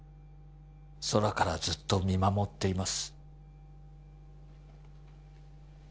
「空からずっと見守っています」